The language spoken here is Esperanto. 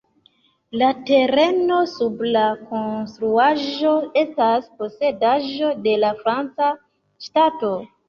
La tereno sub la konstruaĵo estas posedaĵo de la franca ŝtato.